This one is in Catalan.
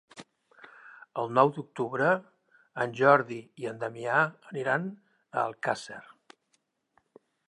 El nou d'octubre en Jordi i en Damià aniran a Alcàsser.